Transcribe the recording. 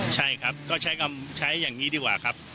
ใช่ครับก็ใช้อย่างนี้ดีกว่าครับ